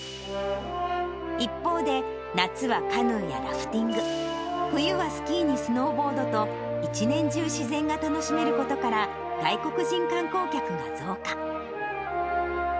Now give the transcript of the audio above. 一方で、夏はカヌーやラフティング、冬はスキーにスノーボードと、一年中自然が楽しめることから、外国人観光客が増加。